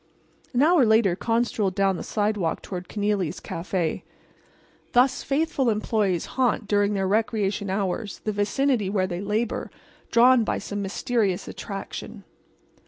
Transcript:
An hour later Con strolled down the sidewalk toward Kenealy's café. Thus faithful employees haunt, during their recreation hours, the vicinity where they labor, drawn by some mysterious attraction.